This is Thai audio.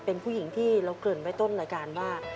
เป็นผู้หญิงที่เราเกริ่นไว้ต้นรายการว่า